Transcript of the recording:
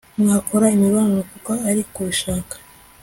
mwakora imibonano kuko ari kubishaka